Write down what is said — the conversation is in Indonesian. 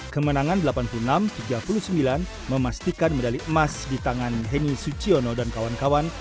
kemenangan delapan puluh enam tiga puluh sembilan memastikan medali emas di tangan heni suciono dan kawan kawan